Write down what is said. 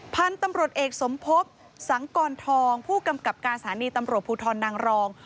พันธุ์ตำรวจเอกสมภพสังกรทองผู้กำกับการสถานีตำรวจภูทรนางรอง